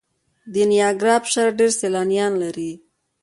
د نیاګرا ابشار ډیر سیلانیان لري.